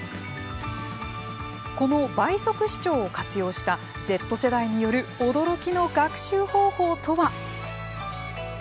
この倍速視聴を活用したＺ世代による驚きの学習方法とは？